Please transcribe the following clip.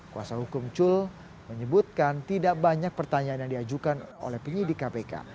kuasa hukum cul menyebutkan tidak banyak pertanyaan yang diajukan oleh penyidik kpk